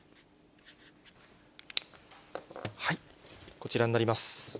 こちらになります。